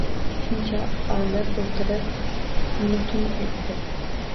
Shuncha olib oʻtirib, kunni tun qilibdi.